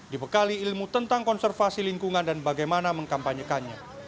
dibekali ilmu tentang konservasi lingkungan dan bagaimana mengkampanyekannya